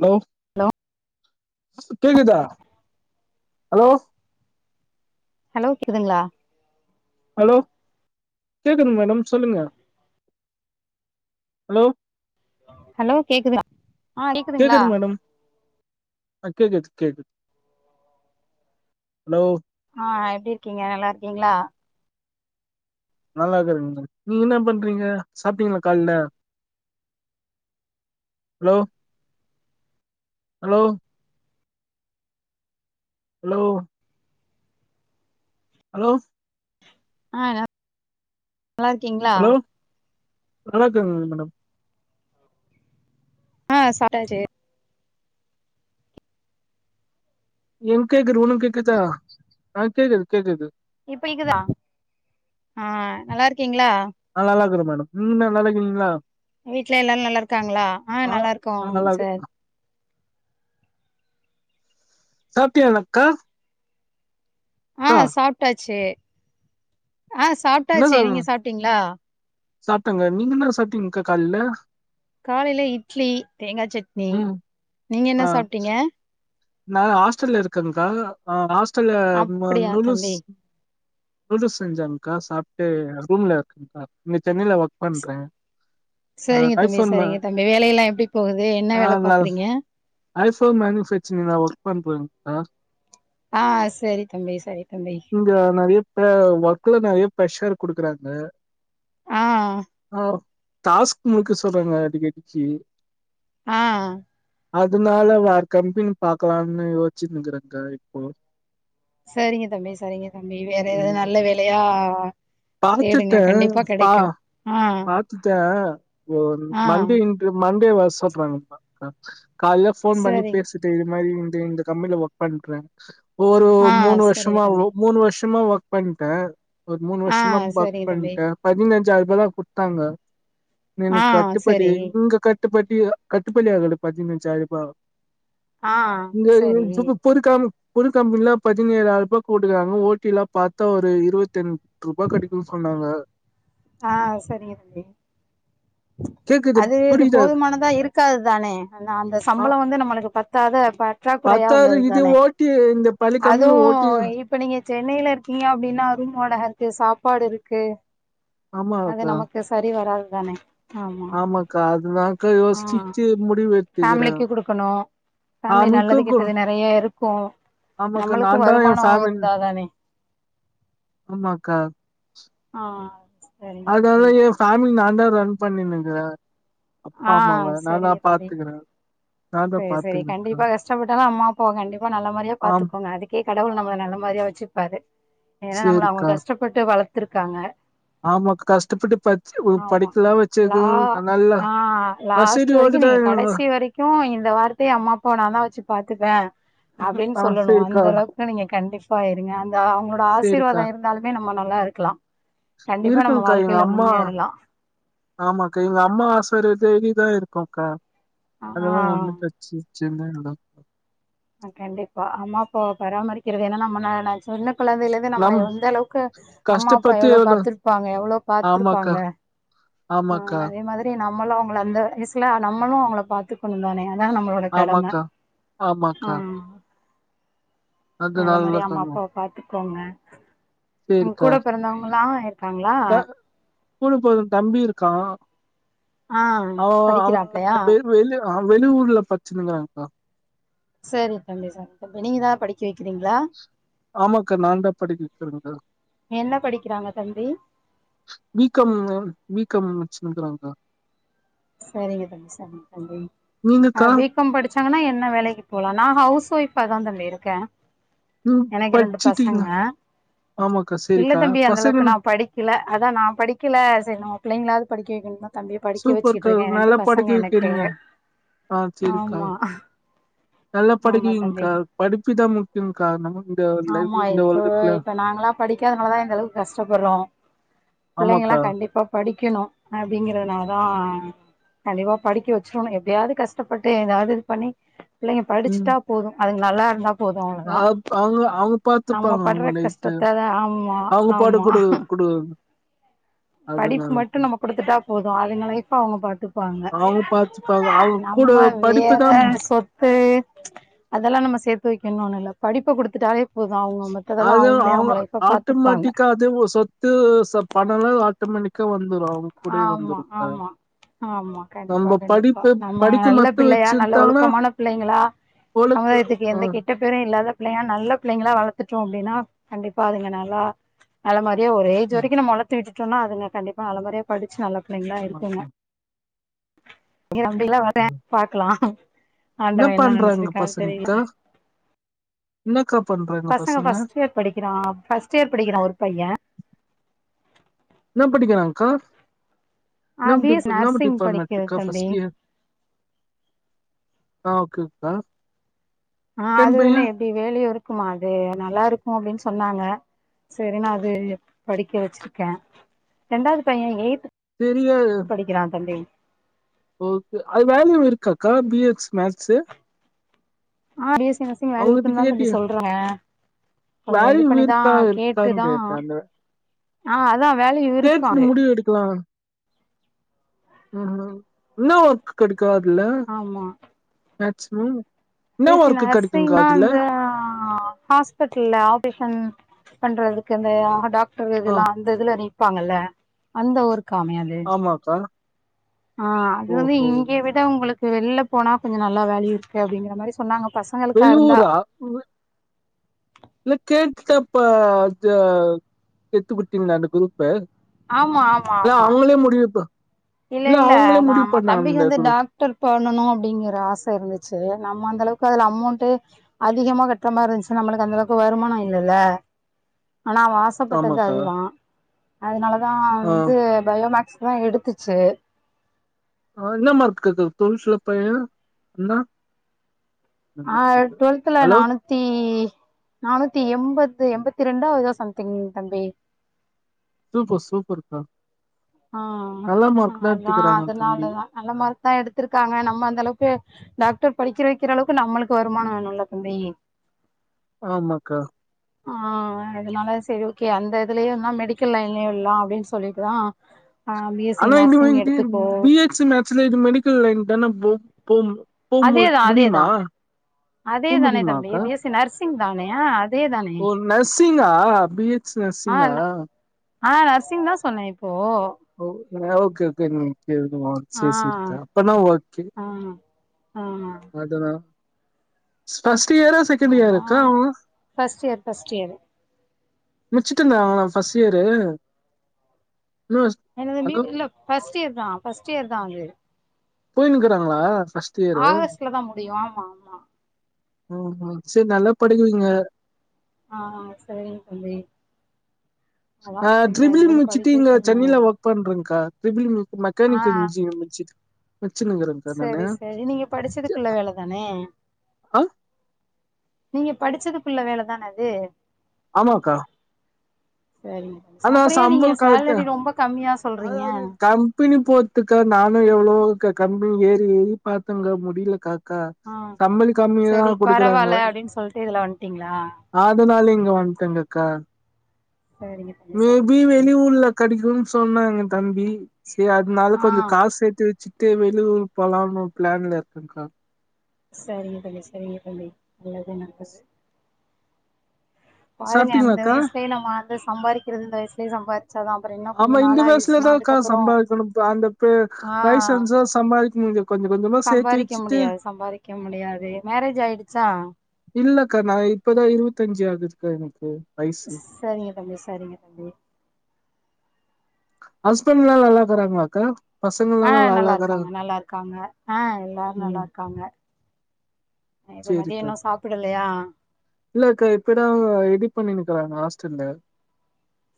Hello hello கேக்குதா hello hello கேக்குதுங்ளா hello கேக்குதுங்க மேடம் சொல்லுங்க ஹலோ ஹலோ கேக்குதா கேக்குது மேடம் ஆ கேக்குத்து கேக்குது ஹலோ ஆ எப்டி இருக்கிங்க நல்லாருக்கிங்ளா நல்லாதா இருக்கங்க நீங்க என்ன பண்றிங்க சாப்டிங்ளா காலைல ஹலோ ஹலோ ஹலோ ஹலோ ஆ [unintelligible] நல்லா இருக்கீங்ளா ஹலோ நல்லா இருக்கறங் மேடம் ஆ சாப்ட்டாச்சு எனக் கேக்குது உனக்கு கேக்குதா ஆ கேக்குது கேக்குது இப்ப கேக்குதா ஆ நல்லா இருக்கீங்ளா ஆ நல்லா இருக்கிற மேடம் நீங்க நல்லால்லா இருக்கிறீங்களா வீட்ல எல்லாரு நல்லா இருக்காங்களா ஆ நல்லா நா இருக்கோங் நல்லா சார் இருக்க சாப்ட்டீகளாக்கா ஆ சாப்ட்டாச்சு ஆ சாப்ட்டாச்சு நீங்க சாப்ட்டீங்ளா சாப்ட்டங்க நீங்க என்ன சாப்ட்டீங்க்கா காலைல காலைல இட்லி தேங்கா சட்னி ம் நீங்க என்ன ஆ சாப்ட்டீங்க நா ஹாஸ்டல்ல இருக்கங்க்கா ஆ ஹாஸ்டல்ல ம்ம அப்படியா நூடுல்ஸ் தம்பி நூடுல்ஸ் செஞ்சாங்க்கா சாப்ட்டு ரூம்ல இருக்கங்க்கா இங்க சென்னைல ஒர்க் ச பண்றே ஆ சரிங்க தம்பி ஐஃபோன் மே சரிங்க தம்பி வேலை எல்லா எப்டி போகுது என்ன ஆ வேல நா பாக்குறீங்க ஐஃபோன் மேனுஃபேக்சரிங்ல நா ஒர்க் பண்றேங்க்கா ஆ சரி தம்பி சரி தம்பி இங்க நெறைய ப்ப ஒர்க்ல நெறைய ப்ரஷர் குடுக்குறாங்க ஆ ஆ டாஸ்க் முடிக்க சொல்றாங்க அடிக்கடிக்கி ஆ அதுனால வேற கம்பனி பாக்கலான்னு யோசிச்சுனு இருக்கிறேங்க்கா இப்போ சரிங்க தம்பி சரிங்க தம்பி வேற ஏதாவது நல்ல ம் வேலையா தேடுங்க பாத்துட்டே கண்டிப்பா பா கெடைக்கு ஆ பாத்துட்டே ஒ ஆ மண்டே இன் ட்ருயூ மண்டே வர சொல்றாங்க்கா காலல ஃபோன் பண்ணி சரிங் பேசி ட்டு இது மாரி இந்த இந்த கம்பனில ஒர்க் பண்றே ஒரு ஆ மூணு சரிங்க வர்ஷமா ஒ தம்பி மூணு வர்ஷமா ஒர்க் பண்ட்டே ஒரு மூணு ஆ வர்ஷமா ஒர்க் சரிங்க தம்பி பண்ட்டே பதினஞ்சாயர்ருபாதா குட்த்தாங்க ஆ எனக் கட்டுபடி சரி இங்க கட் டுபடி கட்டுபடி ஆகல பதினஞ்சாயர்ருபா ஆ இங்க இங்க சரி [unintelligible] ஒரு கம் ஒரு கம்பனில பதினேழாயர்ரூபா குடுக்கறாங்க ஓ டி லா பாத்தா ஒரு இருவத்தஞ் ட்ரூபா கெடைக்குன்னு சொன்னாங்க ஆ சரிங்க தம்பி கேக்குது அது இது புரியுதா போதுமானதா இருக் காதுதானே அந்த அந்த ஆ சம்பளோ வந்து நம்மளுக்கு பத்தாது அ ப ற்றாக்குறையா பத்தாவது இது உள்ளதுதானே ஓட்டி இந்த பள்ளி கம்பெனில அதுவு ஓட்டி இப் இப்ப நீங்க சென்னைல இருக்கீங்க அப்டின்னா ரூம் வாடக இருக்கு சாப்பாடு இருக்கு ஆமா அது அக்கா நமக்கு சரி வராதுதானே ஆமா ஆமாக்கா அதுதான்க்கா ஆ யோசிச்சு முடிவு எடுத்துக்கிறேன் ஃபேமிலிக்கு குடுக்கனு ஃபேமிலி ஆமிக்கு நல்லது கு- கெட்டது நெறிய இருக்கு ஆமாக்கா நம்மளக்கு நான் தான் என் வருமான ஃபேமிலி இருந்தா தானே ஆமாக்கா ஆ சரிங்க அதால தம்பி என் ஃபேமிலி நா தா ரன் பண்ணினுங்குற அப்பா ஆ அம்மாவ நாந்தா சரிங்க தம்பி பாத்துக்குறே நாந்தா சரி சரி பாத்துக்குறேங்க்கா கண்டிப்பா கஷ்டப்பட்டாலு அம்மா அப்பாவ கண்டிப்பா நல்ல மாரியா ஆம் பாத்துக்கோங்க அதுக்கே கடவுள் நம்மள நல்ல மாரியா வச்சுப்பாரு ஏன்னா நம்மள அவங்க சரிக்கா கஷ்டப்பட்டு வளத்துருக்காங்க ஆமாக்கா கஷ்டப்பட்டு பட்ச்சு ஒரு ஆமா படிக்கலா லா வச்சது நல்லா எல்லா ஆ லாஸ்ட் வரைக்கு நீ கடைசி வரைக்கு இந்த வார்த்தைய அம்மா அப்பாவ நாந்தா வச்சு பாத்துப்பே அப்டின்னு ஆ சொல்லணு சரிக்கா அந்த அளவுக்கு நீங்க கண்டிப்பா இருங்க அந்த அவங்களோட சரிக்கா ஆசீர்வாதோ இருந்தாலுமே நம்ம நல்லா இரு க்லா கண்டிப்பா நம்ம இருக்கும்க்கா எங்க வாழ்க்கைல அம்மா முன்னேறலா ஆமாக்கா எங்க அம்மா [unintelligible] இருக்குங்க்கா அதெல்லா ஒண்ணு பிரச் சி ச்சன இல்ல கண்டிப்பா அம்மா அப்பாவ பராமரிக்கிறது என்ன நா நம்ம நா சின்ன குழந்தைல இருந் து நம்மள நம் எந்த அளவுக்கு அம்மா அப்பா எவ்ளோ பாத்துருப்பாங்க எவ்ளோ ஆமாக்கா பாத்துருப்பாங்க ஆ ஆமாக்கா அதே மாதிரி நம்மளு அவங்கள அந்த வயசுல நம்மளு அவங்கள பாத்துக்கணு தானே அதா நம்மளோட கடம ஆமாக்கா ஆமாக்கா ஆ அது நல்ல மாறிய அம்மா நல்லதாங்க அப்பாவ பாத்துகோங்க உங்க சேரிக்கா கூட பிறந்தவங்களா இருக்காங்களா ஸ்கூல் போற தம்பி இருக்கா ஆ அவ அவ படிக்கிறாப்லையா வெளி வெளி வெளிஊர்ல பச்சினுகிறாங்கா செரி தம்பி செரி தம்பி நீங்க எதா படிக் கேக்கிறீங்ளா ஆமாக்கா நான்தா படிக்க வைக்கிறேக்கா என்ன படிக்கிறாங்க தம்பி பிகாம் பிகாம் முச்சினிகிறாங்கா சரிங்க தம்பி சரிங்க தம்பி ஆ நீங்கக்கா பிக் க்காம் படிச்சாங்கன்னா என்ன வேலைக்கு போலா நா ஹவுஸ் ஒய்ஃபா தா தம்பி இருக்க நீங் எனக்கு ரெண்டு படிச்சிட்டீங்க பசங்க ஆமாக்கா இல்ல சேரிக்கா தம்பி அந்த அளவுக்கு பசங்கன நா படிக் கல அதா நா படிக்கல சரி நம்ம பிள்ளைங்களாது படிக்க வைக்கணு தம்பிய படிக்க வச் கா நல்லா படிக்க வைக்கிறீங்க ஆ செரிக்கா ஆமா நல்லா படிக்க ஆமா தம்பி வைங்க்கா படிப்புதா முக் ஆமா இப்போ இப்ப நாங்கலா படிக்காதனாலதா இந்த அளவுக்கு கஷ்டப்படுறோ பிள்ளைங்க எல்லா ஆமாக்கா கண்டிப்பா படிக்கணு அப்டிங்கறதுனால தா கண்டிப்பா படிக்க வச்சிடணு எப்டியாது கஷ்டபட்டு ஏதாது இது பண்ணி பிள்ளைங்க படிச்சிட்டா போது அதுங்க நல்லா இருந்தா போது அவ்ளோதா ஆப் அவங்க அவ நம்ம பாத்துப்பாங்க படுற அவங்க லைஃப் கஷ்டத்த ஆமா அவங்க பாடு ஆமா குடு குடு படிப் மட்டு அதனாலக்கா நம்ம குடுத்துட்டா போது அதுங்க லைப்ஃப அவங்க பாத்துப்பாங்க அவங்க பாத்துப்பாங்க அவங்க கூட நம்ம வேற படிப்புதா சொத் து அதெல்லா நம்ம சேத்து வைக்கணு ஒன்னு இல்ல படிப்ப கொடுத்துட்டாலே அது அவங்க பாத்துப்பாங்க ஆட்டோமேட்டிக்கா அது சொத் து பணலா ஆட்டோமெட்டிக்கா வந்துடு ஆமா ஆமா ஆமா கண்டிப்பா நம்ம கண்டிப்பா படிப்பு நம்ம படிக்க நல்ல மட்டு பிள்ளையா நல்ல வச்சுட்டானா ஒழுக்கமான பிள்ளைங்களா ஒழுக்க சமுதாயத்துக்கு ஆ எந்த கெட்டப் பேரு இல்லாத பிள்ளையா நல்ல பிள்ளைங்களா வளத்துட்டோ அப்டின்னா கண்டிப்பா அதுங்க நல்லா நல்ல மாரியா ஒரு ஏஜ் ம் வரைக்கு நம்ம வளத்து விட்டுடோனா அதுங்க கண்டிப்பா நல்ல மாறியா படிச்சு நல்ல பிள்ளைங்ளா இருக்குங்க ஆமாக்கா. அப்படியிலா வரே ம். பாக்லா ஆண்டவ என்ன நினைச்சிருக்காரு தெரில என்னக்காப்பண்ற பசங்க ஃபஸ்ட் இயர் படிக்கிறா ஃபஸ்ட் இயர் படிக்கிறா ஒரு பைய என்ன படிக்கிறாங்கா என்னம் பி எஸ் டிப் சி என்னாம் நர்சிங் டிபார்ட்மெண்ட் படிக்கிற கா தம்பி ஃபஸ்ட் இயர் ஆ ஓகே கா ஆ அது வேண எப்டி வேலையு இருக்குமா அது நல்லா இருக்கு அப்டின் சொன்னாங்க சரின்னு அது படிக்க வச்சிருக்கே ரெண்டாவது பைய எய்த் தெரியாது படிக்கிறா தம்பி ஓகே அது வல்யு இருக்காக்கா பிஎக்ஸ் மக்ஸு ஆ B S C nursing value இருக்குன் அவங்ககிட்ட தா தம்பி கேட்டியா சொல்றீங்க வேல்யூ இருக்கா இருக்கான் கேட்டுதா கேட்டே அந்த ஆ அதா வேல்யு கேட்னு முடிவு எடுக்கலா என்ன ஒர்க் கெடைக்கு அதுல ஆமா மேக்சிமம் பி எஸ் சி நர்சிங்னா அந்த ஹா ஹாஸ் பிட்ல்ல ஆபேஷன் பண்றதுக்கு இந்த ஆ டாக்டர் ஆ இதெல்லா வந் அந்த இதுல நிப்பாங்கல்ல அந்த ஒர்க்கு அமையாது துமா அக்கா ஆ அது வந்து இங்கே விட உங்களுக்கு வெள்ல போனா கொஞ்சோ நல்லா வேலயூ இருக்கு அப்டிங்கிற மாரி சொன்னாங்க பசங்களுக்கா இருந்தா வெல்லூரா இல்ல கேட்டப்ப த சேத்து விட்டீங்ளா அந்த குரூப்பு ஆமா ஆமா ஆமா லே முடியு இப்ப இல்ல இல்ல நா ஆமா தம்பிக்கு அந்த வந்து டா குரூப் டாக்டர் பண்ணனு அப்டிங்கிற ஆச இருந்துச்சு நம்ம அந்த அளவுக்கு அதுல அமௌண்டு அதிகமா கட்டுற மார் இருந்ச்சு நம்ளுக்கு அந்த அளவுக்கு வருமானம் இல்லல்ல ஆனா அவ ஆஸ் ஆசப்பட்டது ஆமாக்கா அதுதா அதுனால தா ஆ வந்து பயோமக்ஸ் தா எடுத்துச்சு ஆ என்ன மார்க்குக்கு டுவெல்த்துல பைய என்னா ஆ டு்வெல்த்துல ஹலோ நானூத் தி நானூத்தி எம்பது எண்பத்தி ரெண்டோ ஏதோ சம்திங் தம்பி சூப்பர் சூப்பர் கா ஆ அதா எடுத்துக்கிறாங்க தம்பி அதனாலதா நல்ல மார்க் தா எடுத்திருக்காங்க நம்ம அந்த அளவுக்கு டாக்டர் படிக்ற வைக்கிற அளவுக்கு நம்மளுக்கு வருமானோ வேணுல்ல தம்பி ஆமாக்கா ஆ அதுனால சரி ஓகே அந்த இதுலேயுந்தா மெடிக்கல் லைன்லயு வுட்லா அப்டின் சொல்லிட்டுதா ஆ பி எஸ் சி நர்சிங் எடுத்துக்கேோ சு மேக்சுவலி இது மெடிக்கல் லைன் தான போ போவு அதேதா அதேதா அதே போ தானே தம்பி முடியுமாக்கா B S C nurse nursing தானேயா அதே தானே ஓ நர்சிங்கா பி எச் ஆ நர்சிங்கா ஆ நர்சிங் தா சொன்னே இப்போ ஓகேங் ஓகே ஓகேங் ஓகே ஆ சேரி சேரி கா அப்பனா ஓகே ஆ ஆ அதனா ஃப்ஸ்ட் இயரா செகண்ட் இயர் அதா இருக்கா miss first year first year முச்சிட்டு இருந்தாங்களா ஃபஸ்ட் இயரு இன்னு என்ன தம்பி ஹலோ இல்ல ஃபஸ்ட் இயர் தா ஃபஸ்ட் இயர் தா அது போயினுக்கிறாங்களா ஃப்ஸ்ட் இயரு ஆகஸ்ட்ல தா முடியு ஆமா ஆமா ஓ ஓ சேரி நல்லா படிக்கவைங்க ஆ சேரிங் தம்பி அதா ஆ பிள்ளைங்கள ட்ரிபிலி எங்கயாவது முச்சுட்டு படிக்க இங்க வச்சிரணு சென்னையில ஒர்க் பண்றேங்கா ட்ரிபிலி ஆ மெக்கானிக்கல் இன்ஜினியரிங் முச்சு பட்சினுங்கிறே சரி சரி நீங்க படிச்சதுக்குள்ள வேல தா தானே ஆ நீங்க படிச்சதுக்குள்ள வேலதான அது ஆமாங்கா சேரிங்க அப்பற ஏ நீங்க சம்பளம் கரெக்டா சேலரி ரொம்ப கம்மியா சொல்றிங்க கம்பனி போத்துக்கா நானு எவ்ளோ கம்பனி ஏறி ஏறி பாத்தேங்கா முடியலகா கா ஆ சம்பளோ கம்மியாதா சரி குடுக்குறாங்க பரவால்ல அப்டின்னு சொல்ட்டு இதுல வந்ட்டீங்களா அதுனால இங்க வந்துட்டேங்கக்கா சேரிங்க மேபி வெளியூர்ல கெடைக்குனு சொன்னாங்க தம்பி சேரி அத்னால ஆ கொஞ்சோ காசு சேத்து வச்சுட்டு வெளியூர் போலாம்னு பிளான்ல இருக்கேன்கா சேரிங்க தம்பி சேரிங்க தம்பி நல்லது நல்லது பாருங்க அந்த சாப்ட்டீங்களாக்கா வயசுலயே நம்ம வந்து சம்பாதிக்கிறது இந்த வயசலயே சம்பாதி சர்லா அப்றோ இன்னு ஆமா கொஞ்சோ இந்த நாள் ஆயிடுச்சுன்னா வயசுலதான்க்கா அதுக்கப்றோ சம்பாதிக்கணு அந்த பே ஆ வயசு வந்துச்சா சம்பாதிக்க முடியு கொஞ்ச கொஞ்சமா சேத்து சம்பாரிக்க வச்சுட்டு முடியாது சம்பாரிக்க முடியாது மேரேஜ் ஆயிடுச்சா இல்லக்கா நா இப்பதா இருவத்தி அஞ்சு ஆகுதுக்கா எனக்கு வயசு சேரிங்க தம்பி சேரிங்க தம்பி ஹஸ்பண்ட்லா எல்லாக்கறாங்களாக்கா ஆ நல்லாருக்காங்க நல்லாருக்காங்க ஆ எல்லாரு ம் நல்லாருக்காங்க இப்ப மதியோ சேரிக்கா இன்னு சாப்டலையா இல்லக்கா இப்பதா அவங்க ரெடி பண்ணினுக்கிறாங்க ஹாஸ்டல்ல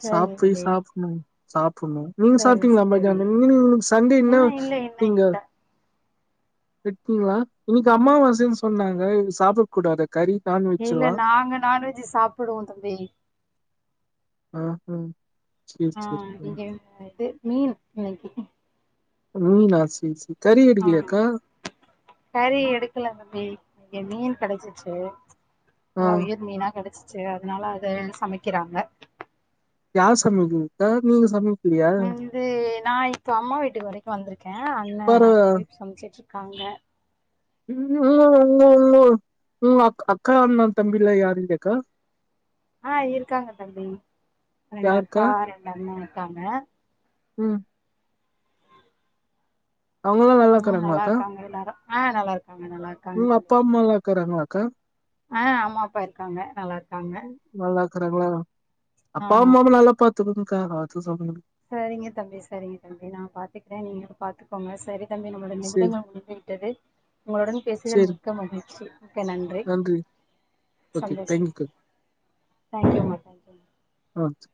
சரிங்க சாப்ப தம்பி சாப்புணு சாப்புட்ணு நீங்க சரி சாப்ட்டீங்களா சரி மதியான நீங்க சண்டே என்னா இன்னு இல்ல இன்னு நீங்க இல்ல வெட்ஜிங்களா இன்னக்கி அம்மாவாசைன்னு சொன்னாங்க இது சாப்பிடக் கூடாத கறி நான்வெ இல்ல நாங்க நான்வெஜ் சாப்புடுவோ தம்பி ஆ ஆ சேரி ஆ சேரி இங்க இது மீன் இன்னக்கி மீனா சேரி சேரி கறி ஆ எடுக்கலையாக்கா கறி எடுக்கல தம்பி இங்க மீன் கெடச்சிச்சி ஆ நல்லா உயிர் மீனா கெடைச்சிச்சி அதனால அத சமைக்கிறாங்க யார் சமைக்கரத் நீங்க சமை இது நா இப்போ அம்மா வீட்டு வரைக்கு வந்திருக்கே அண்ணே பரவா ஒய்ஃப் சமச்சிட்டு இருக்காங்க [unintelligible] அக் அக்கா அண்ணே தம்பிலா யாரு இல்லையாக்கா ஆ இருக்காங்க தம்பி ரெண்டு யாருக்கா அக்கா ரெண்டு அண்ணே இருக்காங்க ம் அவுங்கல்லா ம் நல்லா நல்லாருக்கறாங்களாக்கா இருக்காங்க எல்லாரு ஆ நல்லா இருக்காங்க நல்லா இருக்காங்க ம் தம்பி அப்பா அம்மால்லா இருக்கறாங்களாக்கா ஆ அம்மா அப்பா இருக்காங்க நல்லாருக்காங்க நல்லாருக்கறாங்களா ஆ அப்பா அம்மாவ நல்லா பாத்துக்கோங்கக்கா அத சொன்னே சேரிங்க தம்பி சேரிங்க தம்பி நா பாத்துக்கிறே நீங்களு பாத்துக்கோங்க சேரி தம்பி நம்ளுடைய சரி நிமிடங்கள் முடிந்து விட்டது உங்களுடன் பேசுதல் சரி மிக்க மகிழ்ச்சி ஓகே நன்றி ஓகே சந்தோஷம் தேங்க்யூக்கா தேங்க்யூமா தேங்க்யூமா ஆ சே